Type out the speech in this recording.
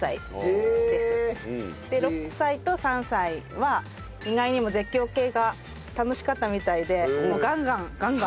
６歳と３歳は意外にも絶叫系が楽しかったみたいでガンガンガンガン。